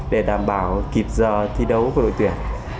để đảm bảo kịp giờ thi đấu của đội tuyển